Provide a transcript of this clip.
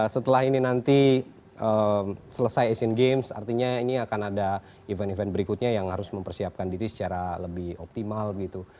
setelah ini nanti selesai asian games artinya ini akan ada event event berikutnya yang harus mempersiapkan diri secara lebih optimal begitu